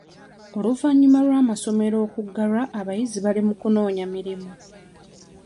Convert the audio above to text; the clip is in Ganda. Oluvannyuma lw'amasomero okuggalwa, abayizi bali mu kunoonya mirimu.